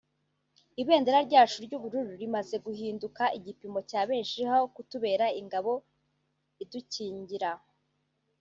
ibendera ryacu ry’ubururu rimaze guhinduka igipimo cya benshi aho kutubera ingabo idukikingira